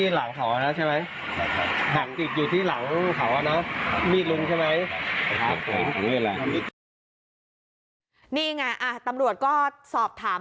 หักติดที่หลังเขาแล้วใช่ไหม